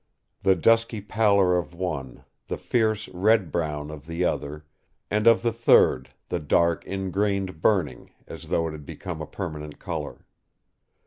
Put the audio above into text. The dusky pallor of one; the fierce red brown of the other; and of the third, the dark, ingrained burning, as though it had become a permanent colour.